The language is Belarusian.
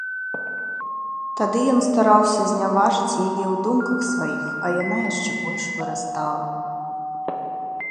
Тады ён стараўся зняважыць яе ў думках сваіх, а яна яшчэ больш вырастала.